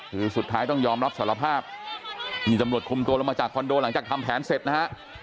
คือสุดท้ายต้องยอมรับสารภาพนี่ตำรวจคุมตัวลงมาจากคอนโดหลังจากทำแผนเสร็จนะฮะ